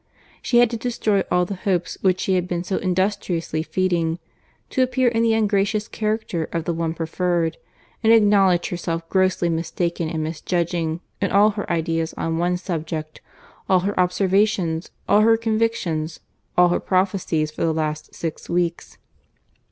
—She had to destroy all the hopes which she had been so industriously feeding—to appear in the ungracious character of the one preferred—and acknowledge herself grossly mistaken and mis judging in all her ideas on one subject, all her observations, all her convictions, all her prophecies for the last six weeks.